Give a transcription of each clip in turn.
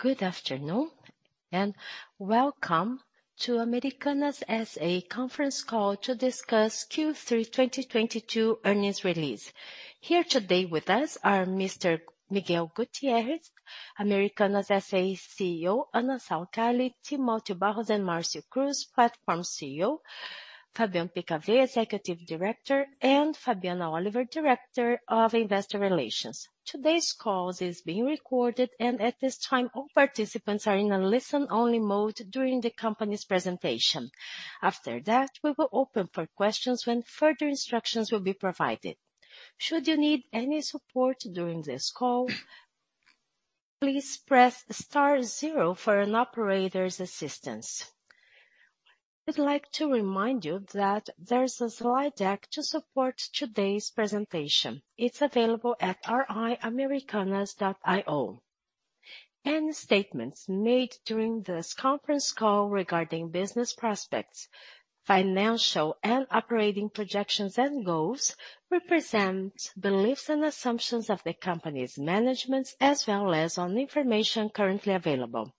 Good afternoon and welcome to Americanas S.A. conference call to discuss Q3 2022 earnings release. Here today with us are Mr. Miguel Gutierrez, Americanas S.A. CEO, Anna Saicali, Timotheo Barros, and Marcio Cruz, platform CEO, Fabien Picavet, Executive Director, and Fabiana Oliver, Director of Investor Relations. Today's call is being recorded and at this time, all participants are in a listen-only mode during the company's presentation. After that, we will open for questions when further instructions will be provided. Should you need any support during this call, please press star zero for an operator's assistance. I'd like to remind you that there's a slide deck to support today's presentation. It's available at ri.americanas.io. Any statements made during this conference call regarding business prospects, financial and operating projections and goals represent beliefs and assumptions of the company's management as well as information currently available.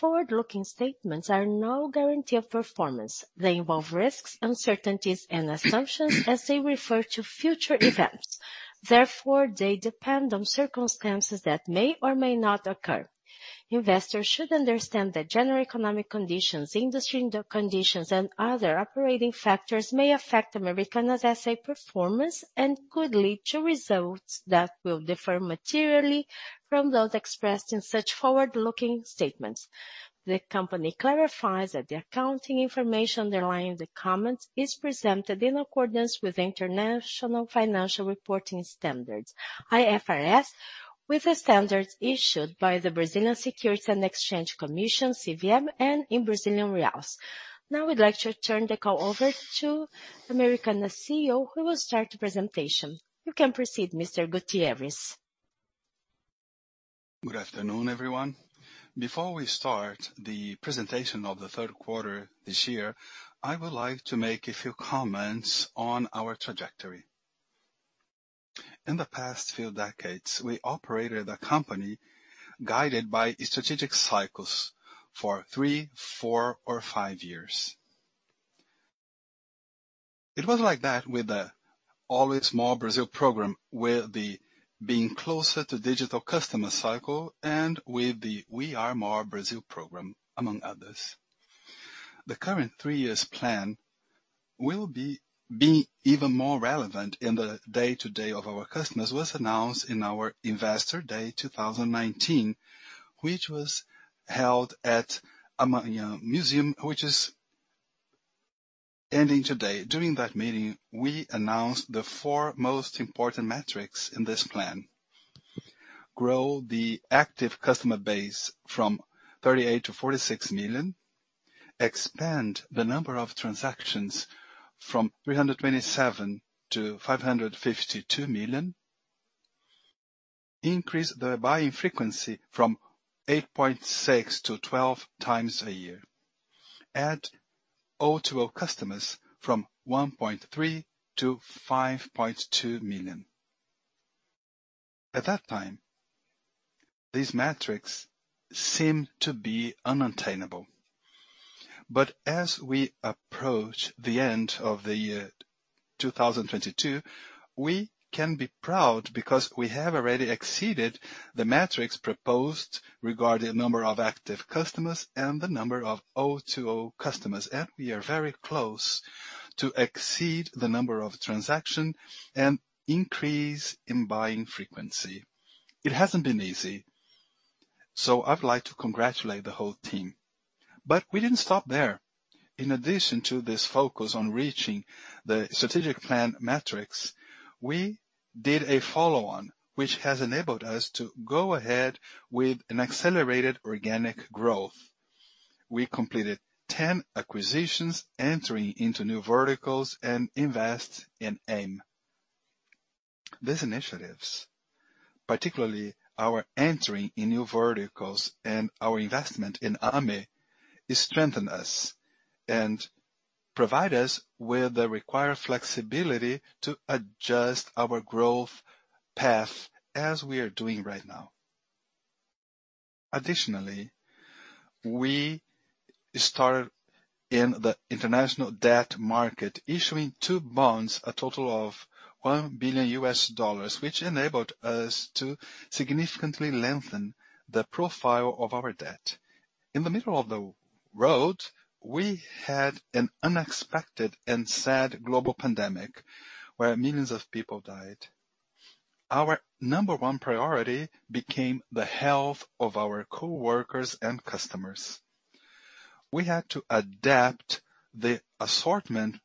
Forward-looking statements are no guarantee of performance. They involve risks, uncertainties and assumptions as they refer to future events. Therefore, they depend on circumstances that may or may not occur. Investors should understand that general economic conditions, industry conditions, and other operating factors may affect Americanas S.A. performance and could lead to results that will differ materially from those expressed in such forward-looking statements. The company clarifies that the accounting information underlying the comments is presented in accordance with International Financial Reporting Standards, IFRS, with the standards issued by the Brazilian Securities and Exchange Commission, CVM, and in Brazilian reais. Now, we'd like to turn the call over to Americanas CEO who will start the presentation. You can proceed, Mr. Gutierrez. Good afternoon, everyone. Before we start the presentation of the third quarter this year, I would like to make a few comments on our trajectory. In the past few decades, we operated a company guided by strategic cycles for three, four, or five years. It was like that with the Sempre Mais Brasil program, with the being closer to digital customer cycle and with the Somos Mais Brasil program, among others. The current three years plan will be even more relevant in the day-to-day of our customers. It was announced in our Investor Day 2019, which was held at Museu do Amanhã, you know, museum, which is ending today. During that meeting, we announced the four most important metrics in this plan. Grow the active customer base from 38 million to 46 million. Expand the number of transactions from 327 million to 552 million. Increase the buying frequency from 8.6 to 12 times a year. Add O2O customers from 1.3 million to 5.2 million. At that time, these metrics seemed to be unattainable. As we approach the end of the year 2022, we can be proud because we have already exceeded the metrics proposed regarding number of active customers and the number of O2O customers. We are very close to exceed the number of transaction and increase in buying frequency. It hasn't been easy. I'd like to congratulate the whole team. We didn't stop there. In addition to this focus on reaching the strategic plan metrics, we did a follow-on, which has enabled us to go ahead with an accelerated organic growth. We completed 10 acquisitions entering into new verticals and invest in Ame. These initiatives, particularly our entering in new verticals and our investment in Ame, strengthen us and provide us with the required flexibility to adjust our growth path as we are doing right now. Additionally, we started in the international debt market issuing two bonds, a total of $1 billion, which enabled us to significantly lengthen the profile of our debt. In the middle of the road, we had an unexpected and sad global pandemic, where millions of people died. Our number one priority became the health of our coworkers and customers. We had to adapt the assortment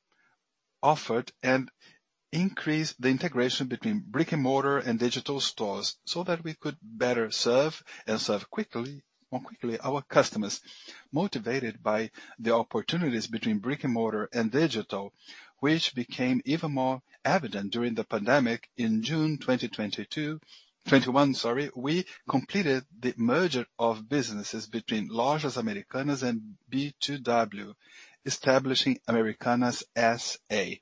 offered and increase the integration between brick-and-mortar and digital stores so that we could better serve and serve more quickly our customers. Motivated by the opportunities between brick-and-mortar and digital, which became even more evident during the pandemic in June 2021, we completed the merger of businesses between Lojas Americanas and B2W, establishing Americanas S.A.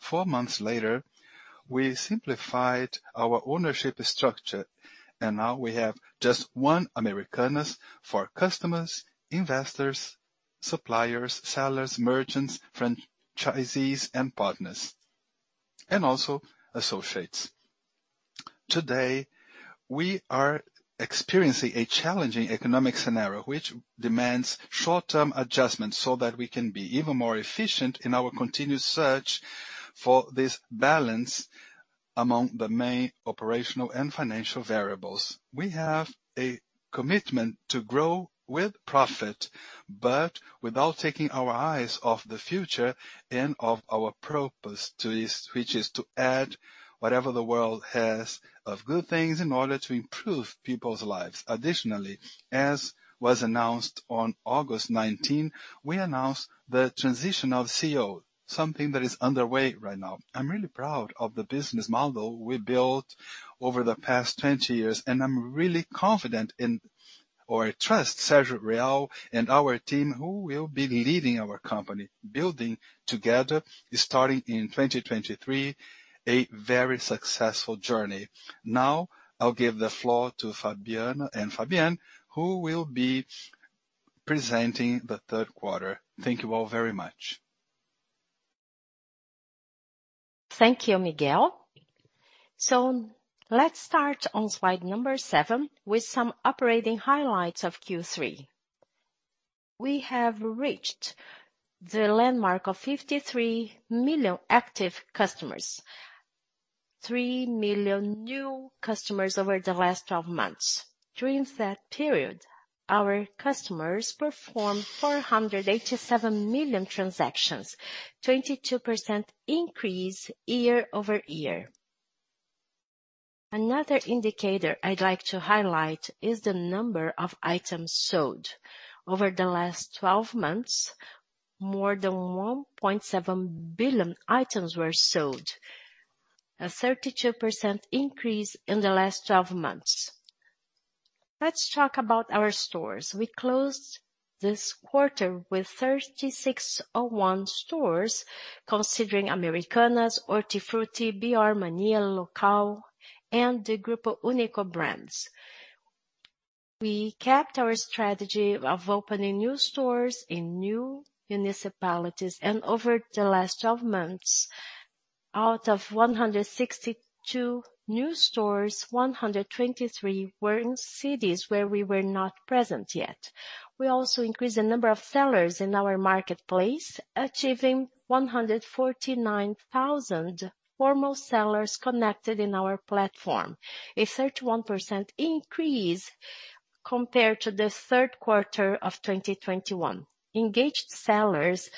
Four months later, we simplified our ownership structure, and now we have just one Americanas for customers, investors, suppliers, sellers, merchants, franchisees and partners, and also associates. Today, we are experiencing a challenging economic scenario which demands short-term adjustments so that we can be even more efficient in our continued search for this balance among the main operational and financial variables. We have a commitment to grow with profit, but without taking our eyes off the future and of our purpose to this, which is to add whatever the world has of good things in order to improve people's lives. Additionally, as was announced on August 19, we announced the transition of CEO, something that is underway right now. I'm really proud of the business model we built over the past 20 years, and I'm really confident in our CEO Sergio Rial and our team who will be leading our company, building together, starting in 2023, a very successful journey. Now, I'll give the floor to Fabiana and Fabien, who will be presenting the third quarter. Thank you all very much. Thank you, Miguel. Let's start on slide number seven with some operating highlights of Q3. We have reached the landmark of 53 million active customers, three million new customers over the last 12 months. During that period, our customers performed 487 million transactions, 22% increase year-over-year. Another indicator I'd like to highlight is the number of items sold. Over the last 12 months, more than 1.7 billion items were sold. A 32% increase in the last 12 months. Let's talk about our stores. We closed this quarter with 3,601 stores, considering Americanas, Hortifruti, BR Mania, Local and the Grupo Uni.co brands. We kept our strategy of opening new stores in new municipalities. Over the last 12 months, out of 162 new stores, 123 were in cities where we were not present yet. We also increased the number of sellers in our marketplace, achieving 149,000 formal sellers connected in our platform. A 31% increase compared to the third quarter of 2021. Engaged sellers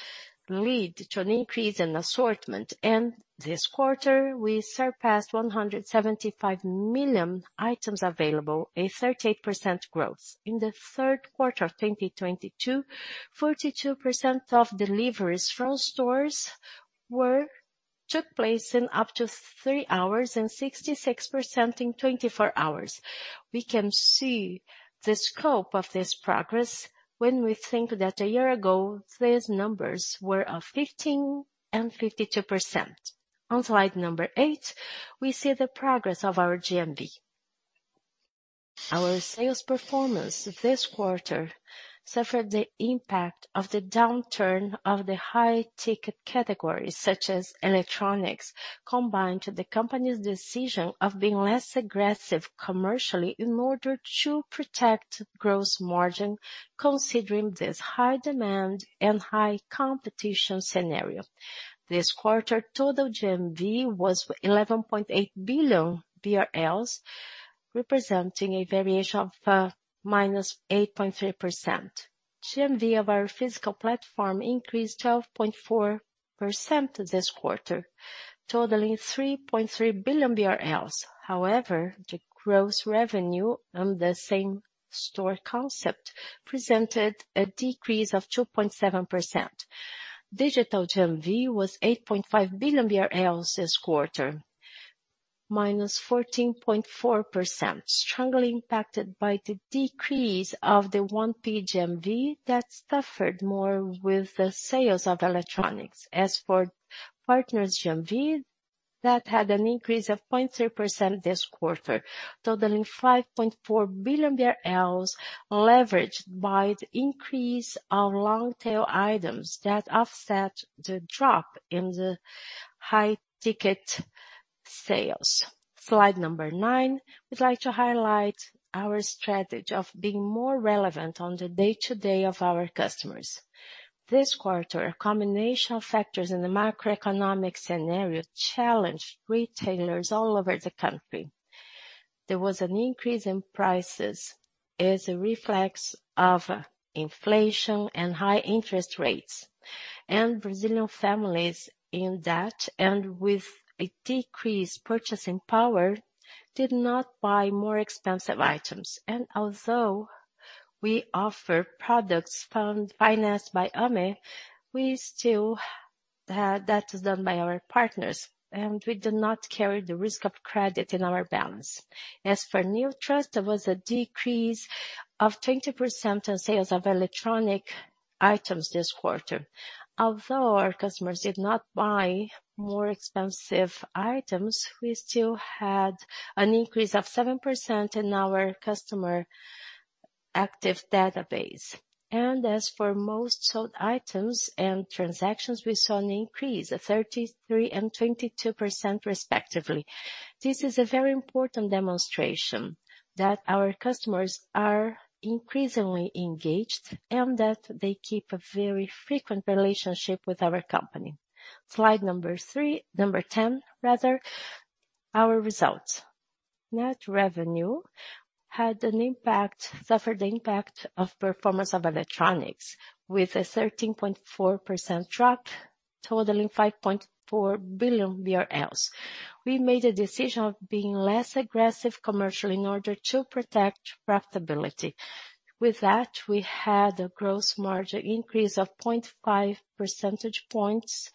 lead to an increase in assortment, and this quarter we surpassed 175 million items available, a 38% growth. In the third quarter of 2022, 42% of deliveries from stores took place in up to three hours and 66% in 24 hours. We can see the scope of this progress when we think that a year ago, these numbers were 15% and 52%. On slide number eight, we see the progress of our GMV. Our sales performance this quarter suffered the impact of the downturn of the high-ticket categories such as electronics, combined with the company's decision of being less aggressive commercially in order to protect gross margin considering this high demand and high competition scenario. This quarter, total GMV was 11.8 billion BRL, representing a variation of -8.3%. GMV of our physical platform increased 12.4% this quarter, totaling 3.3 billion BRL. However, the gross revenue on the same store concept presented a decrease of 2.7%. Digital GMV was 8.5 billion BRL this quarter, -14.4%, strongly impacted by the decrease of the 1P GMV that suffered more with the sales of electronics. As for partners GMV, that had an increase of 0.3% this quarter, totaling 5.4 billion BRL, leveraged by the increase of long tail items that offset the drop in the high ticket sales. Slide number nine. We'd like to highlight our strategy of being more relevant on the day-to-day of our customers. This quarter, a combination of factors in the macroeconomic scenario challenged retailers all over the country. There was an increase in prices as a reflex of inflation and high interest rates. Brazilian families in debt and with a decreased purchasing power, did not buy more expensive items. Although we offer products financed by Ame, that is done by our partners, and we do not carry the credit risk in our balance. As for Neotrust, there was a decrease of 20% in sales of electronic items this quarter. Although our customers did not buy more expensive items, we still had an increase of 7% in our customer active database. As for most sold items and transactions, we saw an increase of 33% and 22% respectively. This is a very important demonstration that our customers are increasingly engaged and that they keep a very frequent relationship with our company. Slide number three, number 10, rather. Our results. Net revenue suffered the impact of performance of electronics with a 13.4% drop totaling 5.4 billion BRL. We made a decision of being less aggressive commercially in order to protect profitability. With that, we had a gross margin increase of 0.5 percentage points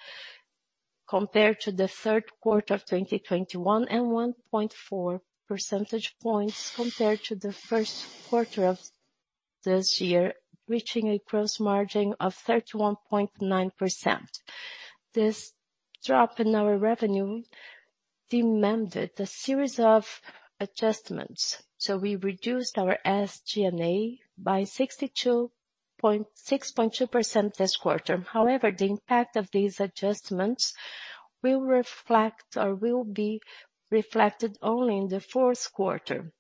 compared to the third quarter of 2021, and 1.4 percentage points compared to the first quarter of this year, reaching a gross margin of 31.9%. This drop in our revenue demanded a series of adjustments. We reduced our SG&A by 6.2% this quarter. However, the impact of these adjustments will reflect or will be reflected only in the fourth quarter.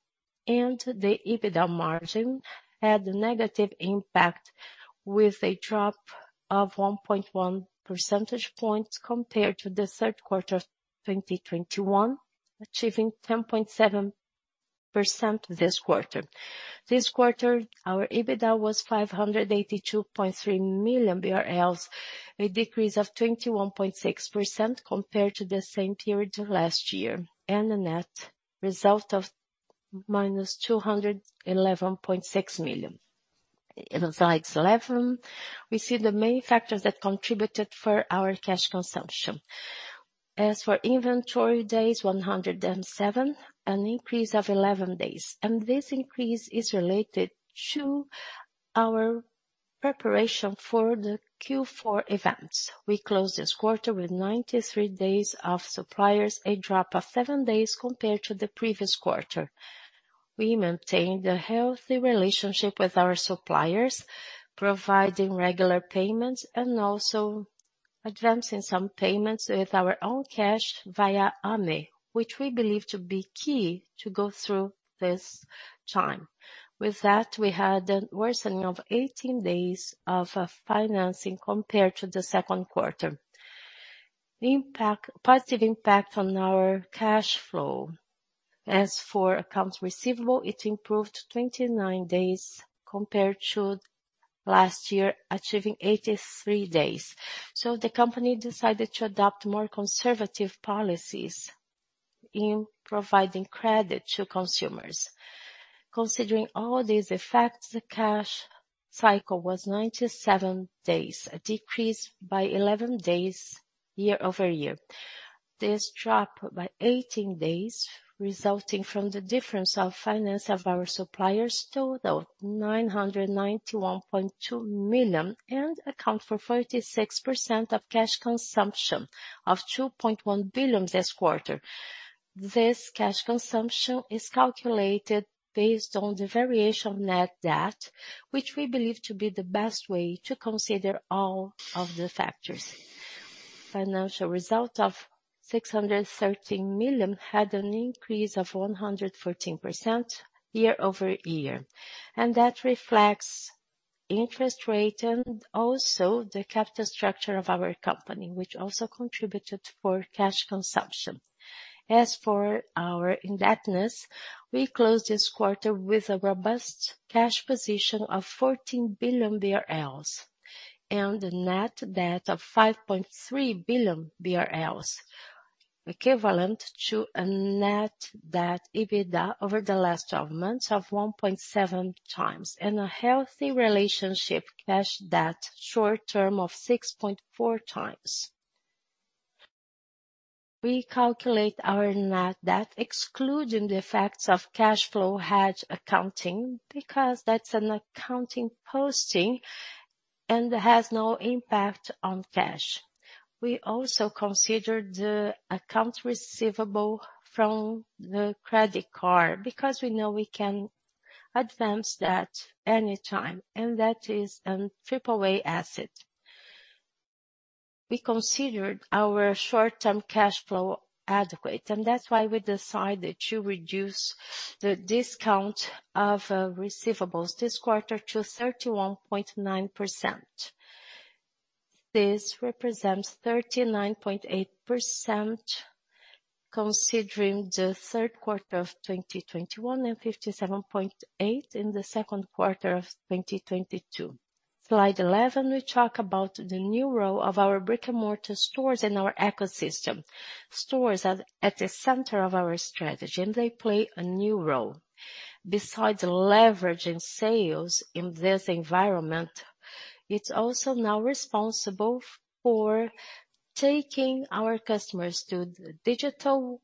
The EBITDA margin had a negative impact with a drop of 1.1 percentage points compared to the third quarter of 2021, achieving 10.7% this quarter. This quarter, our EBITDA was 582.3 million BRL, a decrease of 21.6% compared to the same period last year, and a net result of -211.6 million. In slide 11, we see the main factors that contributed for our cash consumption. As for inventory days, 107, an increase of 11 days. This increase is related to our preparation for the Q4 events. We closed this quarter with 93 days of suppliers, a drop of seven days compared to the previous quarter. We maintained a healthy relationship with our suppliers, providing regular payments and also advancing some payments with our own cash via AME, which we believe to be key to go through this time. With that, we had a worsening of 18 days of financing compared to the second quarter. The positive impact on our cash flow. As for accounts receivable, it improved 29 days compared to last year, achieving 83 days. The company decided to adopt more conservative policies in providing credit to consumers. Considering all these effects, the cash cycle was 97 days, a decrease by 11 days year-over-year. This drop by 18 days resulting from the difference of finance of our suppliers totaled 991.2 million and account for 46% of cash consumption of 2.1 billion this quarter. This cash consumption is calculated based on the variation of net debt, which we believe to be the best way to consider all of the factors. Financial result of 613 million had an increase of 114% year-over-year. That reflects interest rate and also the capital structure of our company, which also contributed for cash consumption. As for our indebtedness, we closed this quarter with a robust cash position of 14 billion BRL and a net debt of 5.3 billion BRL, equivalent to a net debt EBITDA over the last 12 months of 1.7x and a healthy relationship cash debt short term of 6.4x. We calculate our net debt excluding the effects of cash flow hedge accounting because that's an accounting posting and has no impact on cash. We also consider the accounts receivable from the credit card because we know we can advance that anytime and that is an AAA asset. We considered our short-term cash flow adequate, and that's why we decided to reduce the discount of receivables this quarter to 31.9%. This represents 39.8% considering the third quarter of 2021 and 57.8% in the second quarter of 2022. Slide 11, we talk about the new role of our brick-and-mortar stores in our ecosystem. Stores are at the center of our strategy, and they play a new role. Besides leveraging sales in this environment, it's also now responsible for taking our customers to the digital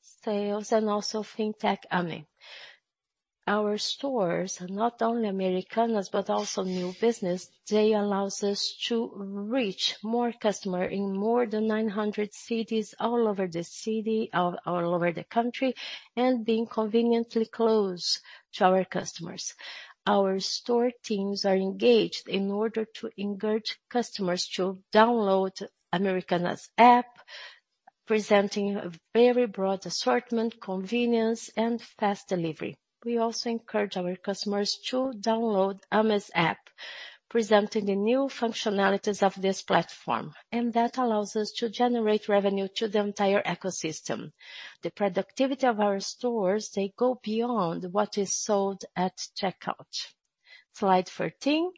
sales and also fintech Ame. Our stores, not only Americanas, but also new business, they allows us to reach more customer in more than 900 cities all over the country, and being conveniently close to our customers. Our store teams are engaged in order to encourage customers to download Americanas app, presenting a very broad assortment, convenience and fast delivery. We also encourage our customers to download Ame's app, presenting the new functionalities of this platform, and that allows us to generate revenue to the entire ecosystem. The productivity of our stores, they go beyond what is sold at checkout. Slide 13.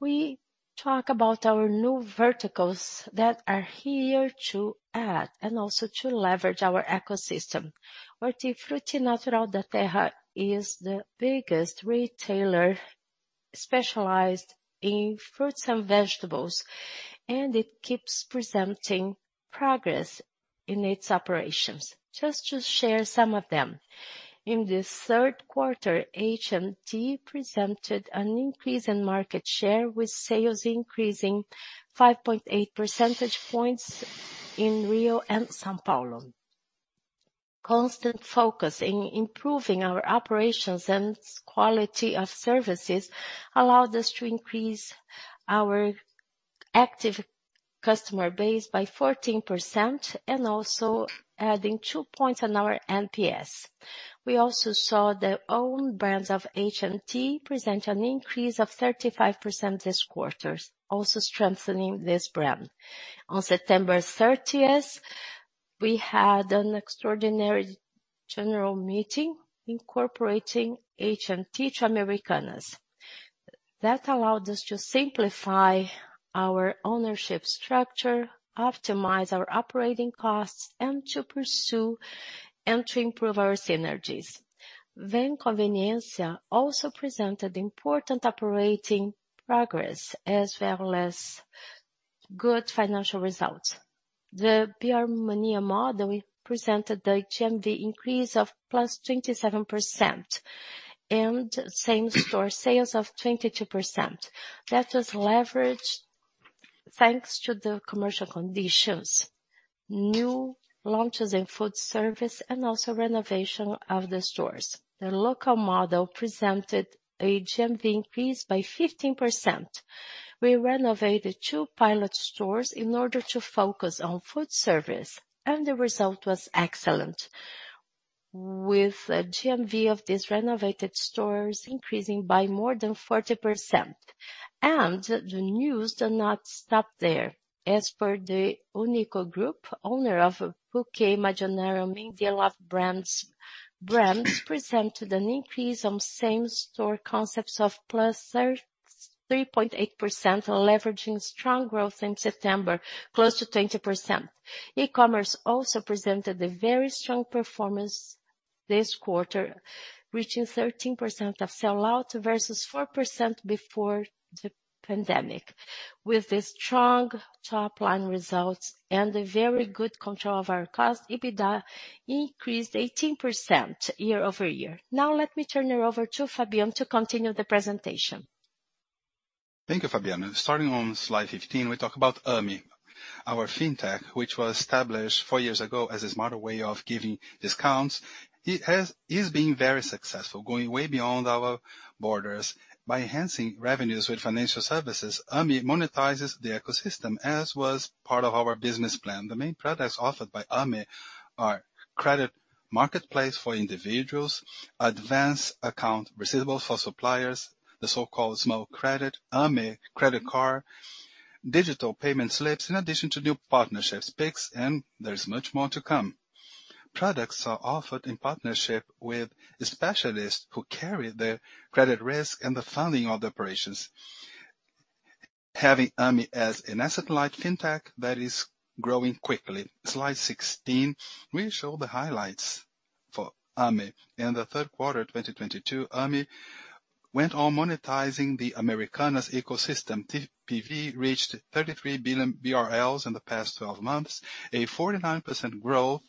We talk about our new verticals that are here to add and also to leverage our ecosystem. Hortifruti Natural da Terra is the biggest retailer specialized in fruits and vegetables, and it keeps presenting progress in its operations. Just to share some of them. In the third quarter, HNT presented an increase in market share, with sales increasing 5.8 percentage points in Rio and São Paulo. Constant focus in improving our operations and quality of services allowed us to increase our active customer base by 14% and also adding two points on our NPS. We also saw the own brands of HNT present an increase of 35% this quarter, also strengthening this brand. On September 30, we had an extraordinary general meeting incorporating HNT to Americanas. That allowed us to simplify our ownership structure, optimize our operating costs, and to pursue and to improve our synergies. Vem Conveniência also presented important operating progress, as well as good financial results. The BR Mania model presented the GMV increase of +27% and same store sales of 22%. That was leveraged thanks to the commercial conditions, new launches in food service and also renovation of the stores. The Local model presented a GMV increase by 15%. We renovated two pilot stores in order to focus on food service, and the result was excellent, with the GMV of these renovated stores increasing by more than 40%. The news do not stop there. As per the Uni.co Group, owner of Puket, Imaginarium, many other brands presented an increase on same-store comps of +33.8%, leveraging strong growth in September, close to 20%. E-commerce also presented a very strong performance this quarter, reaching 13% of sell out versus 4% before the pandemic. With the strong top line results and a very good control of our cost, EBITDA increased 18% year-over-year. Now let me turn it over to Fabian to continue the presentation. Thank you, Fabiana. Starting on slide 15, we talk about Ame, our fintech, which was established four years ago as a smarter way of giving discounts. It is being very successful, going way beyond our borders. By enhancing revenues with financial services, Ame monetizes the ecosystem, as was part of our business plan. The main products offered by Ame are credit marketplace for individuals, advance account receivables for suppliers, the so-called small credit, Ame credit card, digital payment slips, in addition to new partnerships, Pix, and there is much more to come. Products are offered in partnership with specialists who carry the credit risk and the funding of the operations. Having Ame as an asset-light fintech, that is growing quickly. Slide 16, we show the highlights for Ame. In the third quarter 2022, Ame went on monetizing the Americanas ecosystem. TPV reached 33 billion BRL in the past 12 months, a 49% growth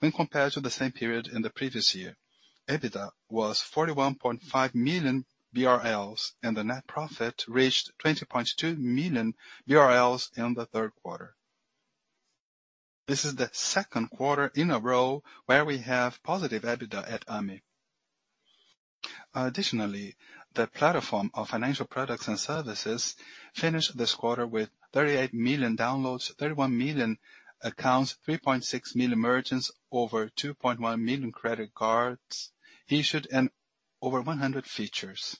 when compared to the same period in the previous year. EBITDA was 41.5 million BRL and the net profit reached 20.2 million BRL in the third quarter. This is the second quarter in a row where we have positive EBITDA at Ame. Additionally, the platform of financial products and services finished this quarter with 38 million downloads, 31 million accounts, 3.6 million merchants, over 2.1 million credit cards issued and over 100 features.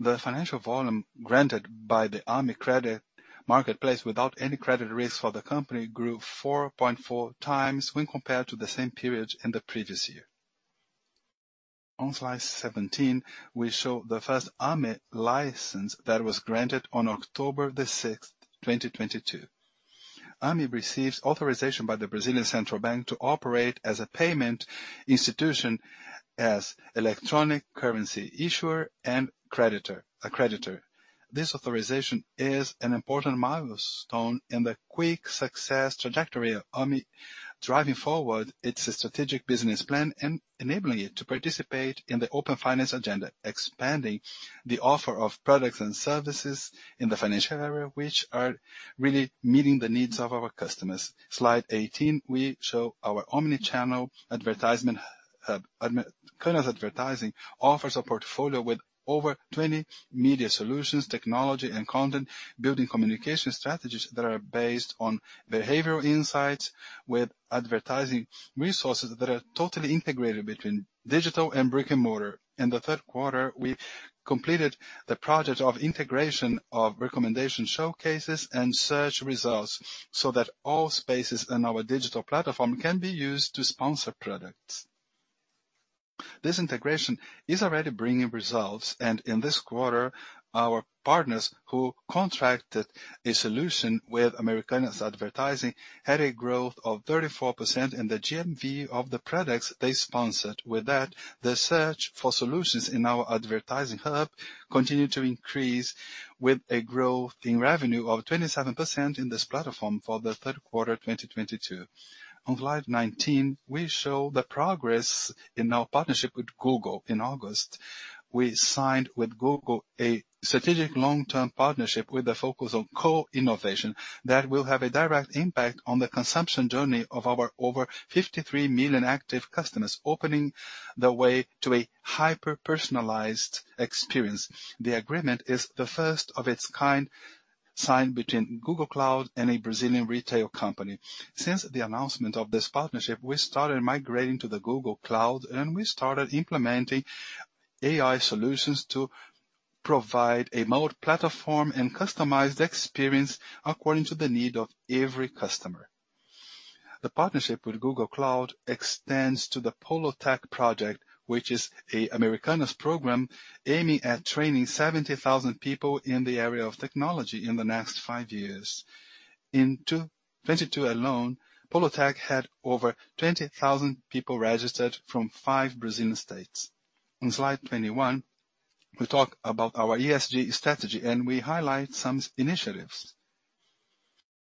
The financial volume granted by the Ame Credit Marketplace without any credit risk for the company grew 4.4x when compared to the same period in the previous year. On slide 17, we show the first Ame license that was granted on October 6th, 2022. Ame receives authorization by the Brazilian Central Bank to operate as a payment institution as electronic currency issuer and creditor. This authorization is an important milestone in the quick success trajectory of Ame, driving forward its strategic business plan and enabling it to participate in the open finance agenda, expanding the offer of products and services in the financial area, which are really meeting the needs of our customers. Slide 18, we show our omni-channel advertisement, Americanas Advertising offers a portfolio with over 20 media solutions, technology and content, building communication strategies that are based on behavioral insights with advertising resources that are totally integrated between digital and brick-and-mortar. In the third quarter, we completed the project of integration of recommendation showcases and search results so that all spaces in our digital platform can be used to sponsor products. This integration is already bringing results, and in this quarter, our partners who contracted a solution with Americanas Advertising had a growth of 34% in the GMV of the products they sponsored. With that, the search for solutions in our advertising hub continued to increase with a growth in revenue of 27% in this platform for the third quarter 2022. On slide 19, we show the progress in our partnership with Google. In August, we signed with Google a strategic long-term partnership with a focus on co-innovation that will have a direct impact on the consumption journey of our over 53 million active customers, opening the way to a hyper-personalized experience. The agreement is the first of its kind signed between Google Cloud and a Brazilian retail company. Since the announcement of this partnership, we started migrating to the Google Cloud, and we started implementing AI solutions to provide a modern platform and customized experience according to the need of every customer. The partnership with Google Cloud extends to the Polo Tech project, which is an Americanas program aiming at training 70,000 people in the area of technology in the next five years. In 2022 alone, Polo Tech had over 20,000 people registered from five Brazilian states. On slide 21, we talk about our ESG strategy, and we highlight some initiatives.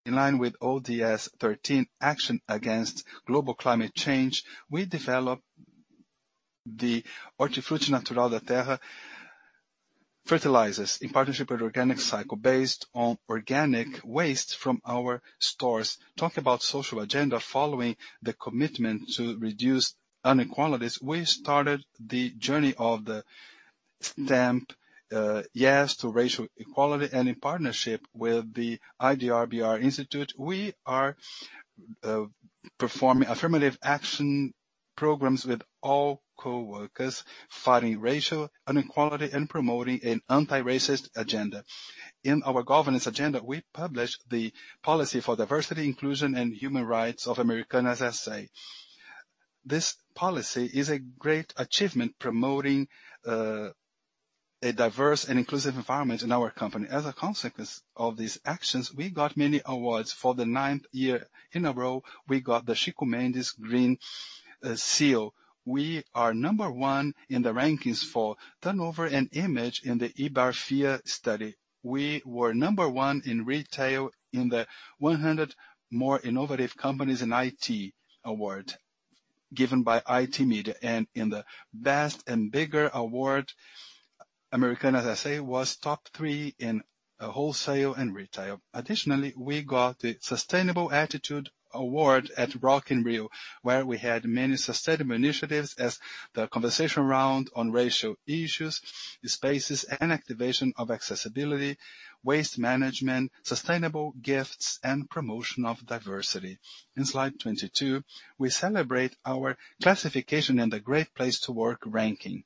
In line with ODS 13 action against global climate change, we developed the Hortifruti Natural da Terra fertilizers in partnership with Ciclo Orgânico based on organic waste from our stores. Talk about social agenda following the commitment to reduce inequalities. We started the journey of the stamp to racial equality and in partnership with the ID_BR Institute. We are performing affirmative action programs with all coworkers, fighting racial inequality and promoting an anti-racist agenda. In our governance agenda, we published the policy for diversity, inclusion, and human rights of Americanas S.A. This policy is a great achievement promoting a diverse and inclusive environment in our company. As a consequence of these actions, we got many awards. For the ninth year in a row, we got the Chico Mendes Green Seal. We are number one in the rankings for turnover and image in the eBrandFar study. We were number one in retail in the 100 most innovative companies in IT award given by IT Mídia. In the Best and Bigger Award, Americanas S.A. was top three in wholesale and retail. Additionally, we got the Sustainable Attitude Award at Rock in Rio, where we had many sustainable initiatives as the conversation around on racial issues, spaces and activation of accessibility, waste management, sustainable gifts, and promotion of diversity. In slide 22, we celebrate our classification in the Great Place to Work ranking.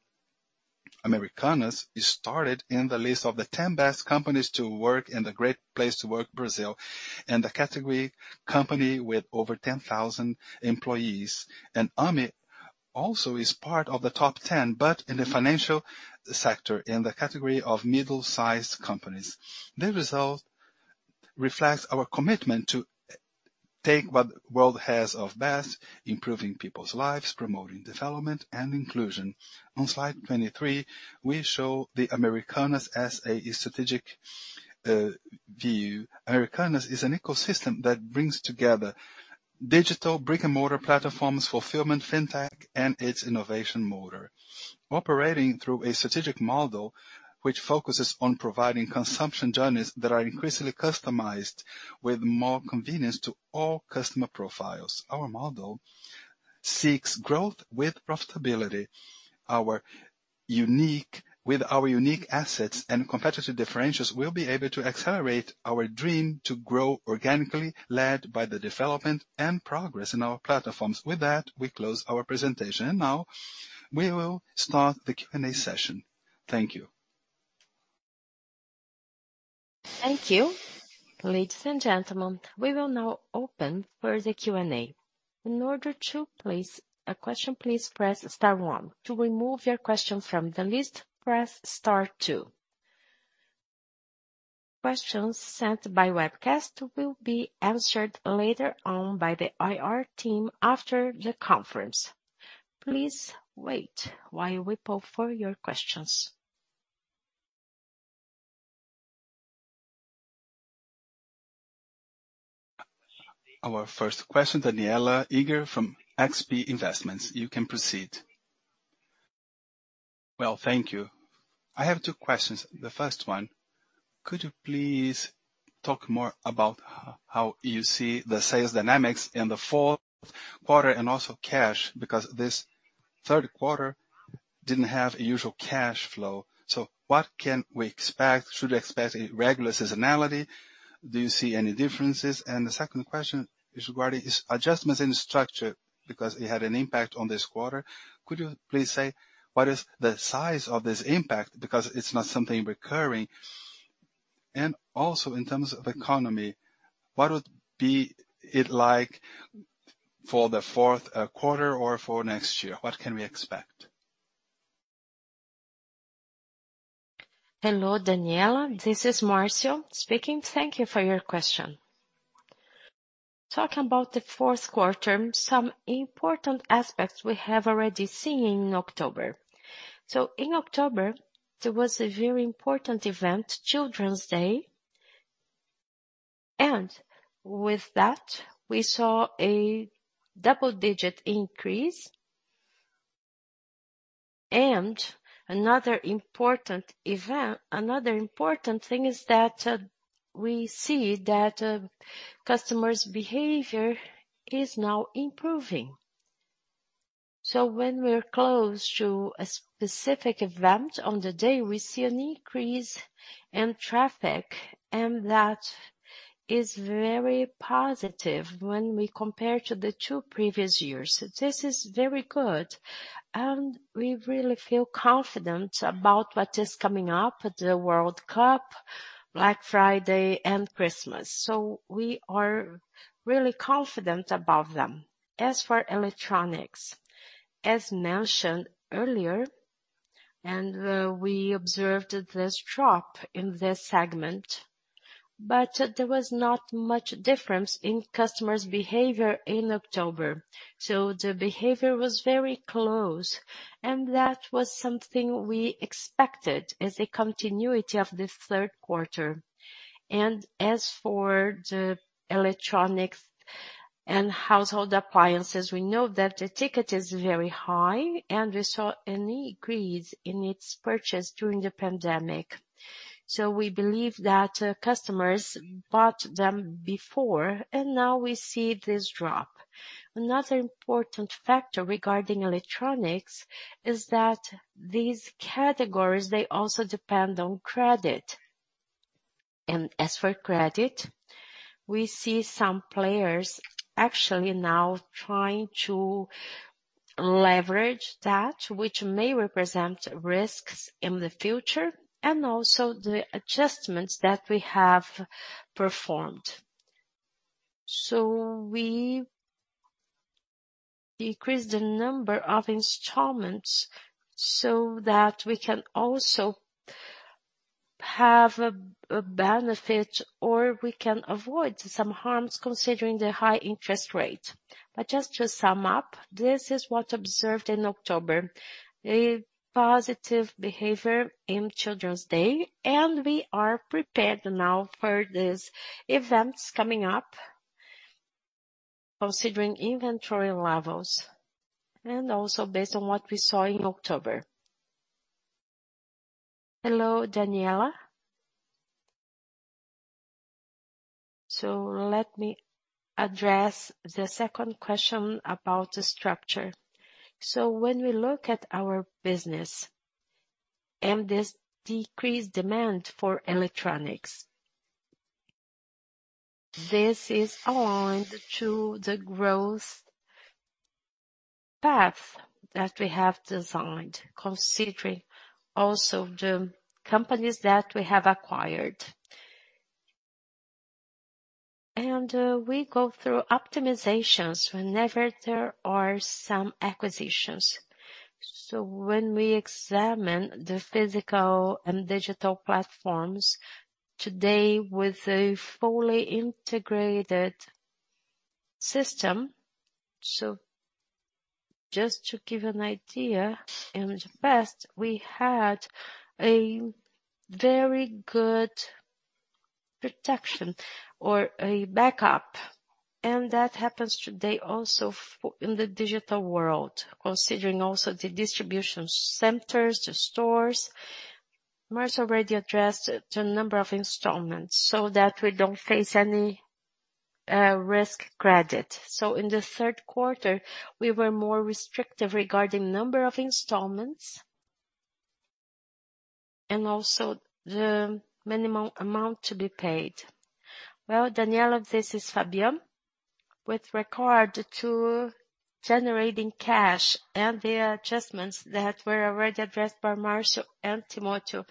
Americanas started in the list of the 10 best companies to work in the Great Place to Work Brazil in the category company with over 10,000 employees. Ame also is part of the top 10, but in the financial sector, in the category of middle-sized companies. The result reflects our commitment to take what world has of best, improving people's lives, promoting development and inclusion. On slide 23, we show the Americanas S.A. strategic view. Americanas is an ecosystem that brings together digital brick-and-mortar platforms, fulfillment, fintech, and its innovation motor. Operating through a strategic model which focuses on providing consumption journeys that are increasingly customized with more convenience to all customer profiles. Our model seeks growth with profitability. With our unique assets and competitive differentiators, we'll be able to accelerate our dream to grow organically, led by the development and progress in our platforms. With that, we close our presentation. Now we will start the Q&A session. Thank you. Thank you. Ladies and gentlemen, we will now open for the Q&A. In order to place a question, please press star one. To remove your question from the list, press star two. Questions sent by webcast will be answered later on by the IR team after the conference. Please wait while we poll for your questions. Our first question, Danniela Eiger from XP Investments. You can proceed. Well, thank you. I have two questions. The first one, could you please talk more about how you see the sales dynamics in the fourth quarter and also cash, because this third quarter didn't have a usual cash flow. What can we expect? Should we expect a regular seasonality? Do you see any differences? The second question is regarding these adjustments in structure because it had an impact on this quarter. Could you please say what is the size of this impact because it's not something recurring. Also in terms of economy, what would it be like for the fourth quarter or for next year? What can we expect? Hello, Danniela. This is Marcio speaking. Thank you for your question. Talking about the fourth quarter, some important aspects we have already seen in October. In October, there was a very important event, Children's Day. With that we saw a double-digit increase. Another important thing is that we see that customers' behavior is now improving. When we're close to a specific event, on the day, we see an increase in traffic, and that is very positive when we compare to the two previous years. This is very good and we really feel confident about what is coming up at the World Cup, Black Friday and Christmas. We are really confident about them. As for electronics, as mentioned earlier, and we observed this drop in this segment, but there was not much difference in customers' behavior in October. The behavior was very close and that was something we expected as a continuity of the third quarter. As for the electronics and household appliances, we know that the ticket is very high and we saw an increase in its purchase during the pandemic. We believe that customers bought them before and now we see this drop. Another important factor regarding electronics is that these categories, they also depend on credit. As for credit, we see some players actually now trying to leverage that which may represent risks in the future and also the adjustments that we have performed. We decrease the number of installments so that we can also have a benefit or we can avoid some harms considering the high interest rate. Just to sum up, this is what we observed in October, a positive behavior in Children's Day, and we are prepared now for these events coming up, considering inventory levels and also based on what we saw in October. Hello, Danniela. Let me address the second question about the structure. When we look at our business and this decreased demand for electronics, this is aligned to the growth path that we have designed, considering also the companies that we have acquired. We go through optimizations whenever there are some acquisitions. When we examine the physical and digital platforms today with a fully integrated system. Just to give an idea, in the past we had a very good protection or a backup, and that happens today also in the digital world, considering also the distribution centers, the stores. Marcio already addressed the number of installments so that we don't face any credit risk. In the third quarter we were more restrictive regarding number of installments and also the minimum amount to be paid. Well, Danniela, this is Fabien. With regard to generating cash and the adjustments that were already addressed by Marcio and Timotheo,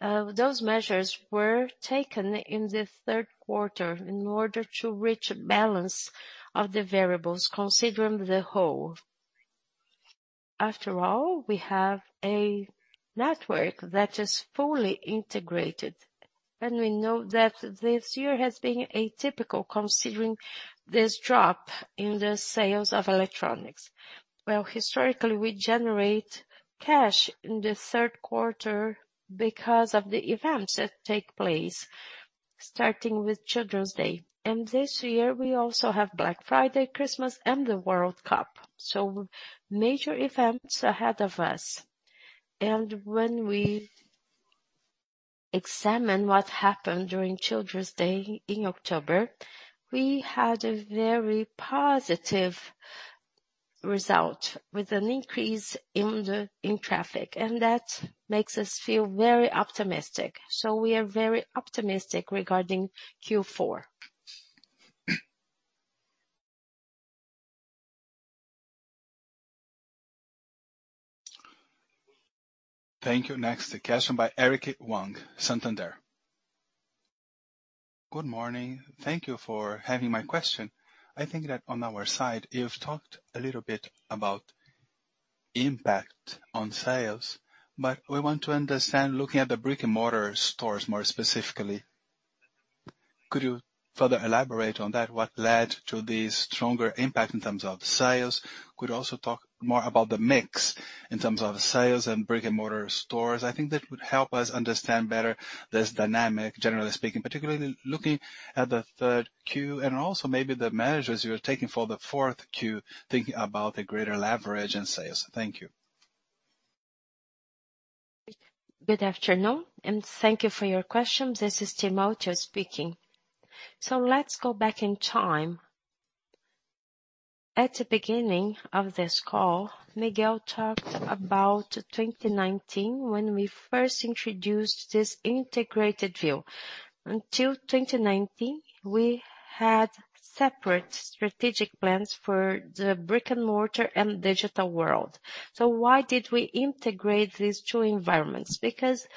those measures were taken in the third quarter in order to reach a balance of the variables considering the whole. After all, we have a network that is fully integrated, and we know that this year has been atypical considering this drop in the sales of electronics. Well, historically, we generate cash in the third quarter because of the events that take place, starting with Children's Day. This year we also have Black Friday, Christmas and the World Cup. Major events ahead of us. When we examine what happened during Children's Day in October, we had a very positive result with an increase in traffic, and that makes us feel very optimistic. We are very optimistic regarding Q four. Thank you. Next question by Eric Huang, Santander. Good morning. Thank you for having my question. I think that on our side, you've talked a little bit about impact on sales, but we want to understand, looking at the brick-and-mortar stores more specifically, could you further elaborate on that? What led to the stronger impact in terms of sales? Could you also talk more about the mix in terms of sales and brick-and-mortar stores? I think that would help us understand better this dynamic, generally speaking, particularly looking at the third Q and also maybe the measures you're taking for the fourth Q, thinking about the greater leverage in sales. Thank you. Good afternoon and thank you for your question. This is Timotheo speaking. Let's go back in time. At the beginning of this call, Miguel talked about 2019, when we first introduced this integrated view. Until 2019, we had separate strategic plans for the brick-and-mortar and digital world. Why did we integrate these two environments? Because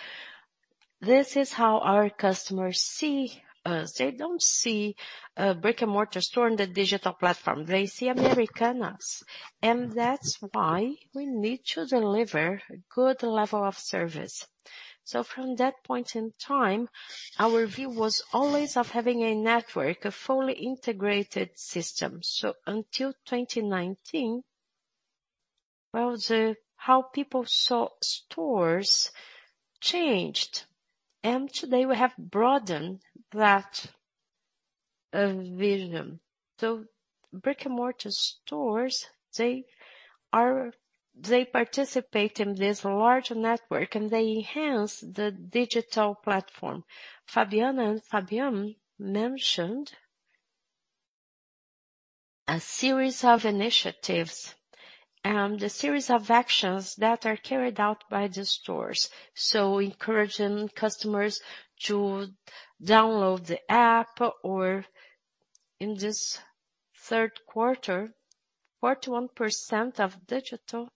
this is how our customers see us. They don't see a brick-and-mortar store in the digital platform. They see Americanas and that's why we need to deliver a good level of service. From that point in time, our view was always of having a network, a fully integrated system. Until 2019, well, how people saw stores changed and today we have broadened that vision. Brick-and-mortar stores, they participate in this large network and they enhance the digital platform. Fabiana and Fabien mentioned a series of initiatives and the series of actions that are carried out by the stores. Encouraging customers to download the app or in this third quarter, 41% of digital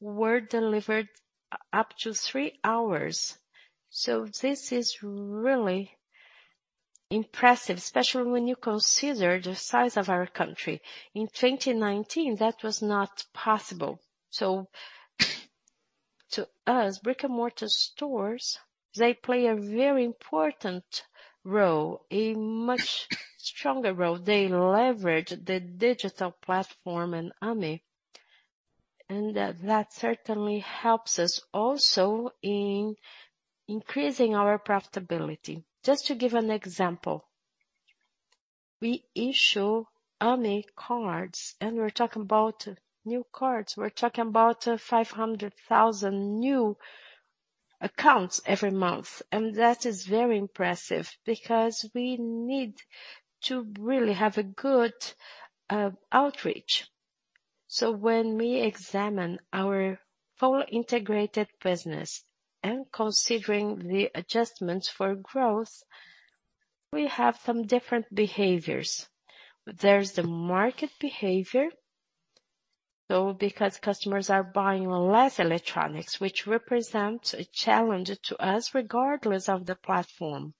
were delivered up to three hours. This is really impressive, especially when you consider the size of our country. In 2019 that was not possible. To us, brick-and-mortar stores, they play a very important role, a much stronger role. They leverage the digital platform and Ame. That certainly helps us also in increasing our profitability. Just to give an example, we issue Ame cards and we're talking about new cards. We're talking about 500,000 new accounts every month. That is very impressive because we need to really have a good outreach. When we examine our full integrated business and considering the adjustments for growth, we have some different behaviors. There's the market behavior. Because customers are buying less electronics, which represents a challenge to us regardless of the platform.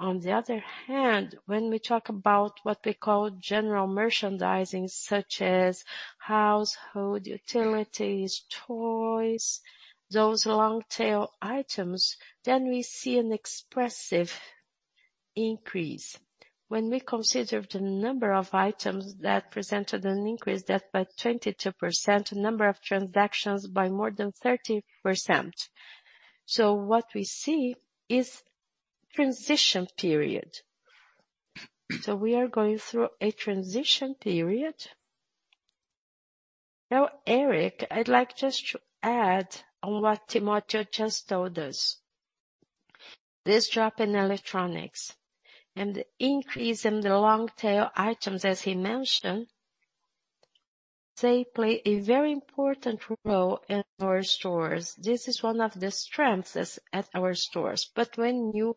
On the other hand, when we talk about what we call general merchandising such as household utilities, toys, those long tail items, then we see an expressive increase. When we consider the number of items that presented an increase that by 22%, the number of transactions by more than 30%. What we see is a transition period. We are going through a transition period. Now, Eric, I'd like just to add on what Timotheo just told us. This drop in electronics and the increase in the long tail items as he mentioned, they play a very important role in our stores. This is one of the strengths at our stores. When you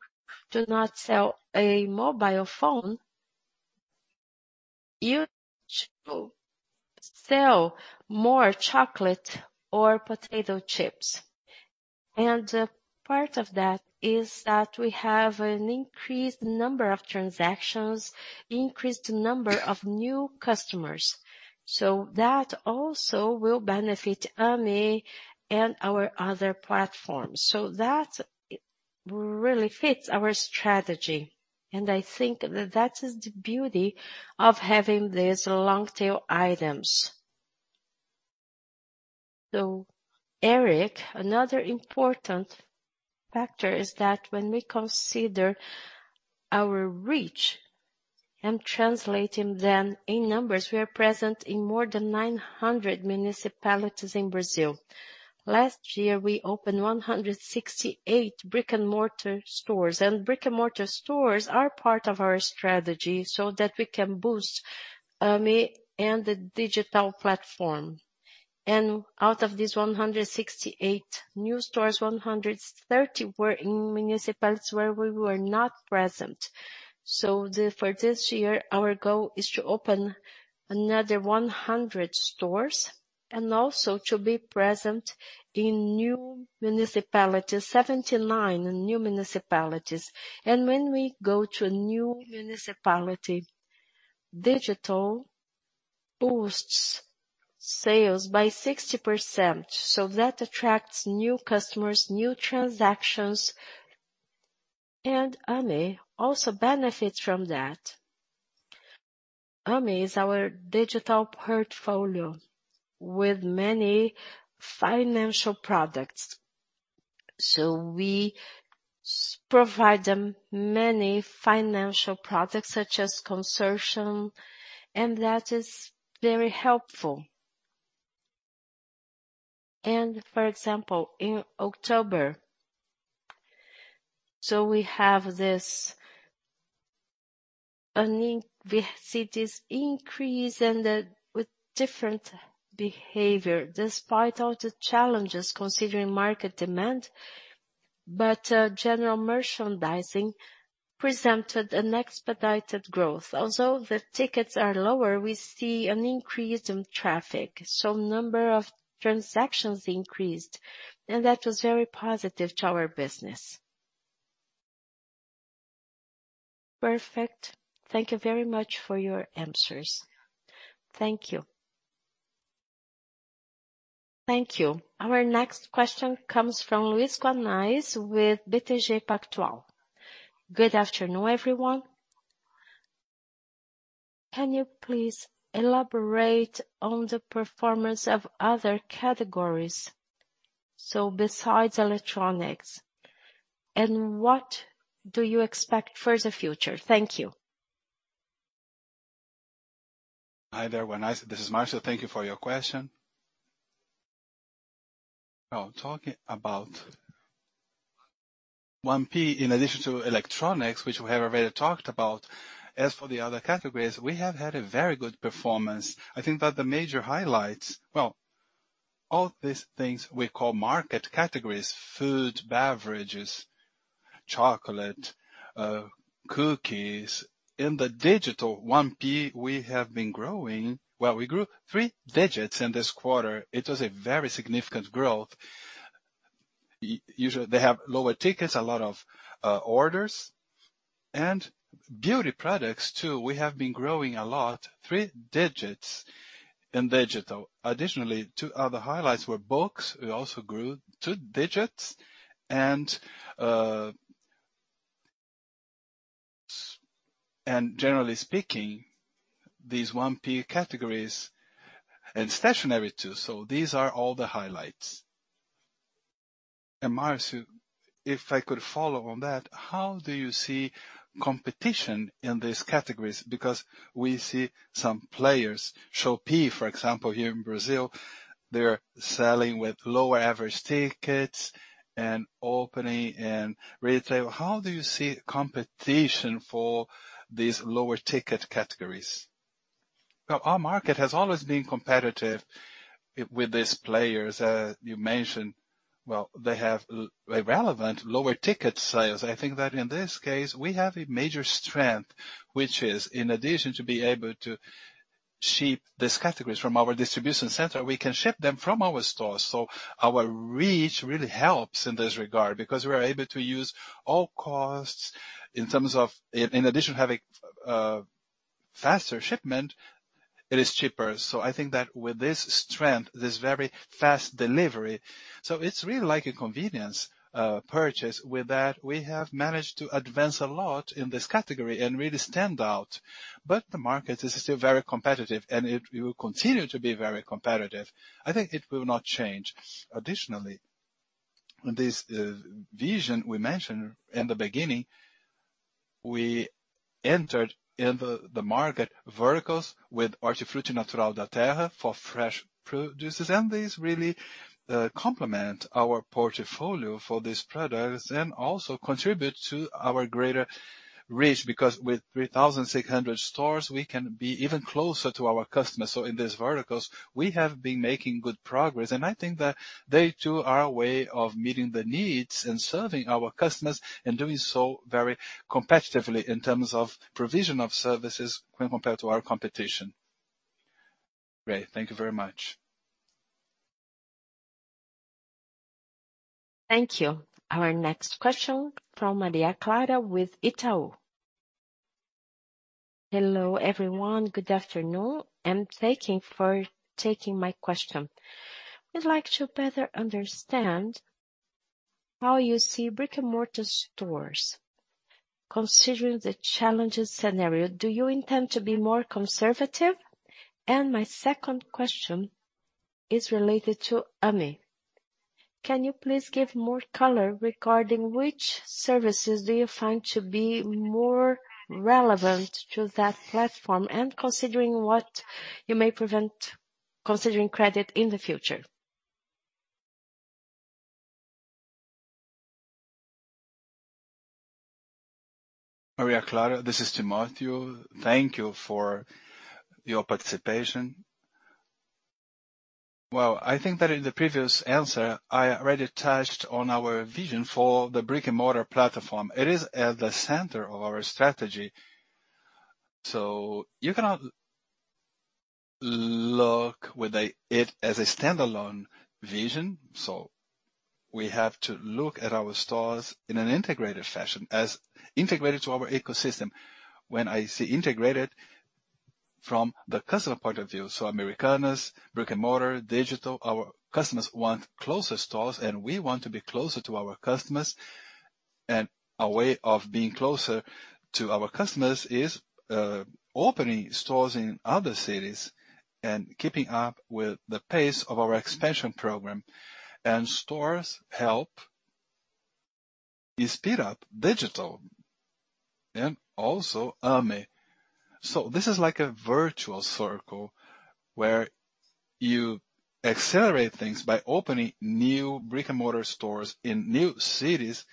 do not sell a mobile phone, you sell more chocolate or potato chips. Part of that is that we have an increased number of transactions, increased number of new customers. That also will benefit Ame and our other platforms. That really fits our strategy, and I think that is the beauty of having these long tail items. Eric, another important factor is that when we consider our reach and translating them in numbers, we are present in more than 900 municipalities in Brazil. Last year, we opened 168 brick-and-mortar stores. Brick-and-mortar stores are part of our strategy so that we can boost Ame and the digital platform. Out of these 168 new stores, 130 were in municipalities where we were not present. For this year, our goal is to open another 100 stores and also to be present in new municipalities, 79 new municipalities. When we go to a new municipality, digital boosts sales by 60%. That attracts new customers, new transactions, and Ame also benefits from that. Ame is our digital portfolio with many financial products. We provide them many financial products, such as consortium, and that is very helpful. For example, in October, we see this increase and with different behavior despite all the challenges considering market demand, but general merchandising presented an expedited growth. Although the tickets are lower, we see an increase in traffic, so number of transactions increased, and that was very positive to our business. Perfect. Thank you very much for your answers. Thank you. Thank you. Our next question comes from Luiz Guanais with BTG Pactual. Good afternoon, everyone. Can you please elaborate on the performance of other categories, so besides electronics, and what do you expect for the future? Thank you. Hi there, Luiz Guanais. This is Marcio. Thank you for your question. Now, talking about 1P in addition to electronics, which we have already talked about, as for the other categories, we have had a very good performance. I think that the major highlights. Well, all these things we call market categories, foods, beverages, chocolate, cookies. In the digital 1P, we have been growing. Well, we grew three digits in this quarter. It was a very significant growth. They have lower tickets, a lot of orders. Beauty products too, we have been growing a lot, three digits in digital. Additionally, two other highlights were books. We also grew two digits and generally speaking, these 1P categories and stationery, too. These are all the highlights. Marcio, if I could follow on that, how do you see competition in these categories? Because we see some players, Shopee, for example, here in Brazil, they're selling with lower average tickets and opening in retail. How do you see competition for these lower ticket categories? Our market has always been competitive with these players you mentioned. They have lower ticket sales. I think that in this case, we have a major strength, which is, in addition to be able to ship these categories from our distribution center, we can ship them from our stores. Our reach really helps in this regard because we are able to use all stores. In addition to having faster shipment, it is cheaper. I think that with this strength, this very fast delivery, so it's really like a convenience purchase. With that, we have managed to advance a lot in this category and really stand out. The market is still very competitive, and it will continue to be very competitive. I think it will not change. Additionally, this vision we mentioned in the beginning, we entered in the market verticals with Hortifruti Natural da Terra for fresh produces, and this really complement our portfolio for these products and also contribute to our greater reach, because with 3,600 stores, we can be even closer to our customers. In these verticals, we have been making good progress, and I think that they, too, are a way of meeting the needs and serving our customers and doing so very competitively in terms of provision of services when compared to our competition. Great. Thank you very much. Thank you. Our next question from Maria Clara with Itaú. Hello, everyone. Good afternoon, and thank you for taking my question. We'd like to better understand how you see brick-and-mortar stores. Considering the challenging scenario, do you intend to be more conservative? My second question is related to Ame. Can you please give more color regarding which services do you find to be more relevant to that platform and considering what you may provide considering credit in the future? Maria Clara, this is Timotheo. Thank you for your participation. Well, I think that in the previous answer, I already touched on our vision for the brick-and-mortar platform. It is at the center of our strategy. You cannot look at it as a standalone vision. We have to look at our stores in an integrated fashion as integrated to our ecosystem. When I say integrated from the customer point of view, Americanas, brick-and-mortar, digital, our customers want closer stores, and we want to be closer to our customers. Our way of being closer to our customers is opening stores in other cities and keeping up with the pace of our expansion program. Stores help you speed up digital and also Ame. This is like a virtuous circle where you accelerate things by opening new brick-and-mortar stores in new cities.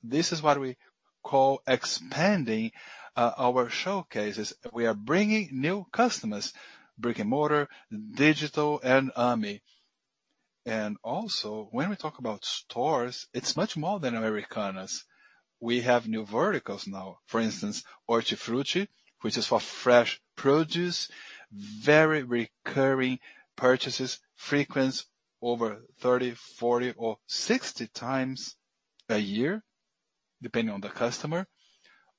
This is what we call expanding our showcases. We are bringing new customers, brick-and-mortar, digital, and Ame. When we talk about stores, it's much more than Americanas. We have new verticals now. For instance, Hortifruti, which is for fresh produce, very recurring purchases, frequents over 30, 40, or 60 times a year, depending on the customer.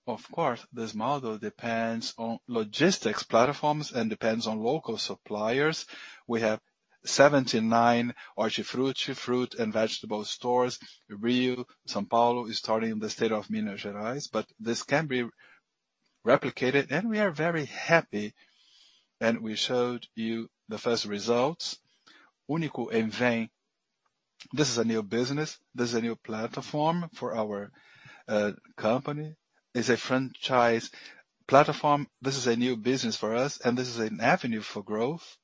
Of course, this model depends on logistics platforms and depends on local suppliers. We have 79 Hortifruti fruit and vegetable stores. Rio, São Paulo is starting in the state of Minas Gerais. This can be replicated, and we are very happy, and we showed you the first results. Uni.co and Vem, this is a new business. This is a new platform for our company. It's a franchise platform. This is a new business for us, and this is an avenue for growth.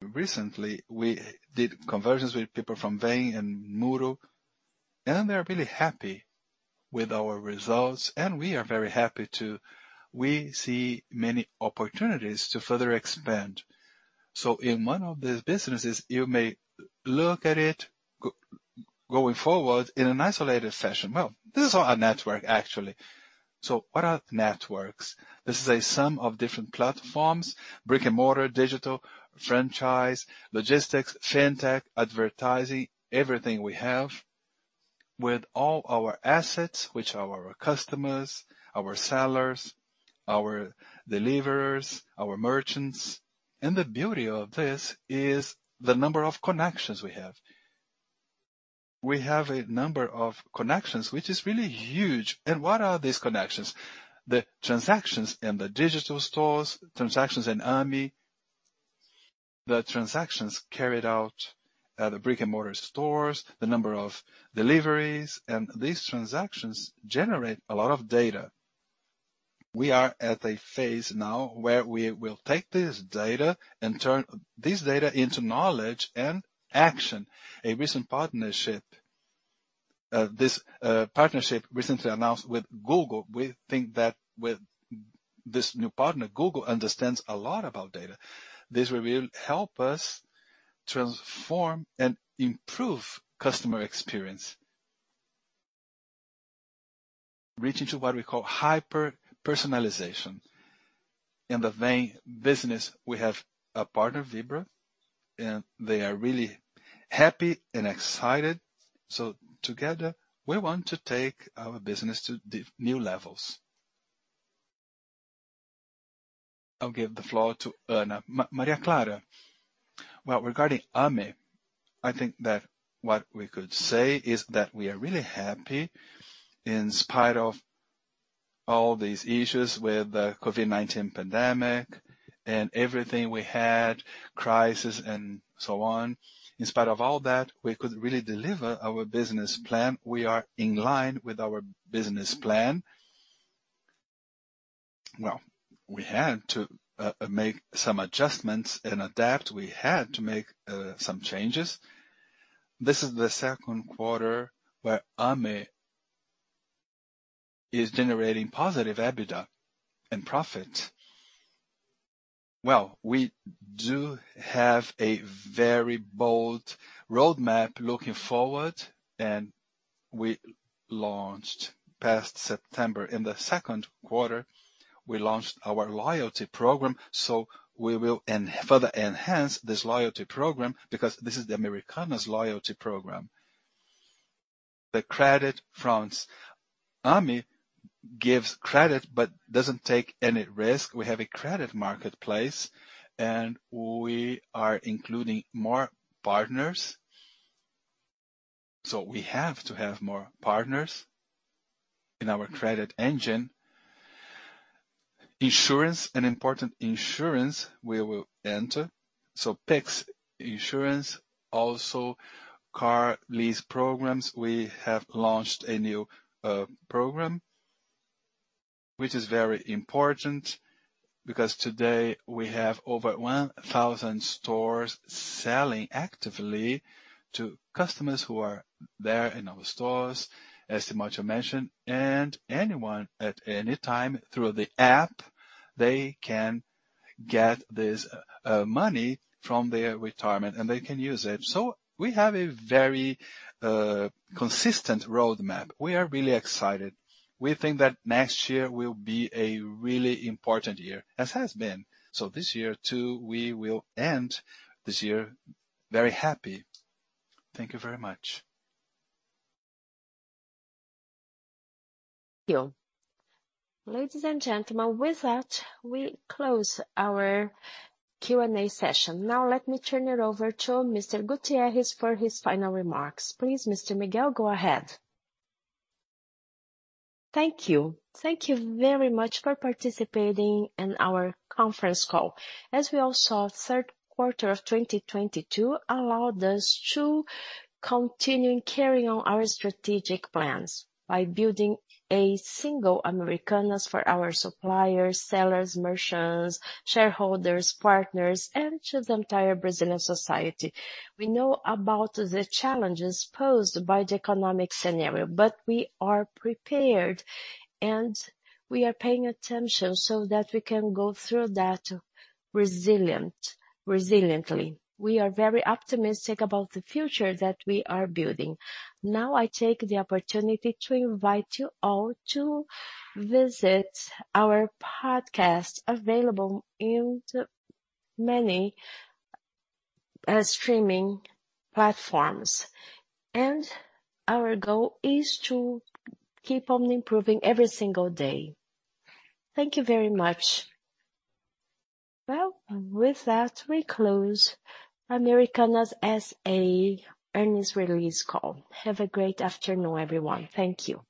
Recently, we did conversions with people from Vem and Muru, and they're really happy with our results, and we are very happy too. We see many opportunities to further expand. In one of these businesses, you may look at it going forward in an isolated fashion. Well, this is our network, actually. What are networks? This is a sum of different platforms, brick-and-mortar, digital, franchise, logistics, fintech, advertising, everything we have with all our assets, which are our customers, our sellers, our deliverers, our merchants. The beauty of this is the number of connections we have. We have a number of connections, which is really huge. What are these connections? The transactions in the digital stores, transactions in Ame, the transactions carried out at the brick-and-mortar stores, the number of deliveries, and these transactions generate a lot of data. We are at a phase now where we will take this data and turn this data into knowledge and action. A recent partnership, this partnership recently announced with Google. We think that with this new partner, Google understands a lot about data. This will help us transform and improve customer experience. Reaching to what we call hyper-personalization. In the Vem business, we have a partner, Vibra, and they are really happy and excited. Together, we want to take our business to the new levels. I'll give the floor to Ana. Maria Clara. Well, regarding Ame, I think that what we could say is that we are really happy in spite of all these issues with the COVID-19 pandemic and everything we had, crisis and so on. In spite of all that, we could really deliver our business plan. We are in line with our business plan. Well, we had to make some adjustments and adapt. We had to make some changes. This is the second quarter where Ame is generating positive EBITDA and profit. Well, we do have a very bold roadmap looking forward and we launched last September. In the second quarter, we launched our loyalty program, so we will further enhance this loyalty program because this is the Americanas loyalty program. The credit franchise Ame gives credit but doesn't take any risk. We have a credit marketplace, and we are including more partners. So we have to have more partners in our credit engine. Insurance, an important insurance we will enter. Pix insurance, also car lease programs. We have launched a new program which is very important because today we have over 1,000 stores selling actively to customers who are there in our stores, as Timotheo mentioned. Anyone at any time through the app, they can get this money from their retirement, and they can use it. We have a very consistent roadmap. We are really excited. We think that next year will be a really important year, as has been. This year too, we will end this year very happy. Thank you very much. Thank you. Ladies and gentlemen, with that, we close our Q&A session. Now let me turn it over to Mr. Gutierrez for his final remarks. Please, Mr. Miguel, go ahead. Thank you. Thank you very much for participating in our conference call. As we all saw, third quarter of 2022 allowed us to continue carrying on our strategic plans by building a single Americanas for our suppliers, sellers, merchants, shareholders, partners, and to the entire Brazilian society. We know about the challenges posed by the economic scenario, but we are prepared, and we are paying attention so that we can go through that resiliently. We are very optimistic about the future that we are building. Now, I take the opportunity to invite you all to visit our podcast available in the many streaming platforms. Our goal is to keep on improving every single day. Thank you very much. Well, with that, we close Americanas S.A. earnings release call. Have a great afternoon, everyone. Thank you.